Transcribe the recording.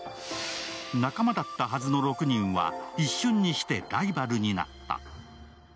仲間だったはずの６人は一瞬にしてライバルになった。